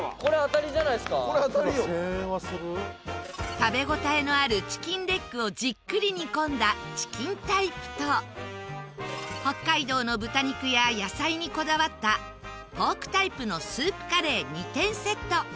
食べ応えのあるチキンレッグをじっくり煮込んだチキンタイプと北海道の豚肉や野菜にこだわったポークタイプのスープカレー２点セット。